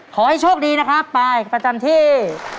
ขอให้โชคดีนะครับปลายประจำที่